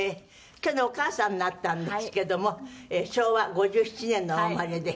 去年お母さんになったんですけども昭和５７年のお生まれで。